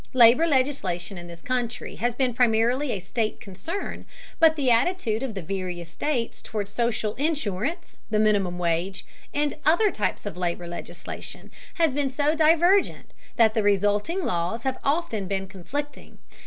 Labor legislation in this country has been primarily a state concern, but the attitude of the various states toward social insurance, the minimum wage, and other types of labor legislation, has been so divergent that the resulting laws have often been conflicting.